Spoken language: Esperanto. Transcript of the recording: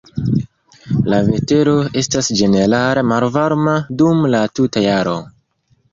La vetero estas ĝenerale malvarma dum la tuta jaro.